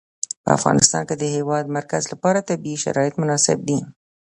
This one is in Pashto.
په افغانستان کې د د هېواد مرکز لپاره طبیعي شرایط مناسب دي.